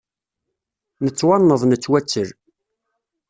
Nettwanneḍ nettwattel.